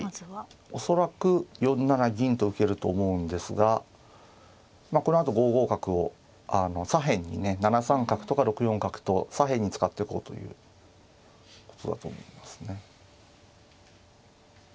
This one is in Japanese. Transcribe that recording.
恐らく４七銀と受けると思うんですがこのあと５五角を左辺にね７三角とか６四角と左辺に使っていこうということだと思いますね。